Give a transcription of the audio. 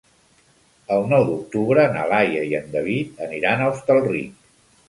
El nou d'octubre na Laia i en David aniran a Hostalric.